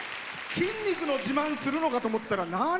筋肉の自慢するのかと思ったら何？